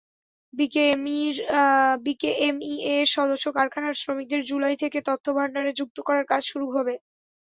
বিকেএমইএর সদস্য কারখানার শ্রমিকদের জুলাই থেকে তথ্যভান্ডারে যুক্ত করার কাজ শুরু হবে।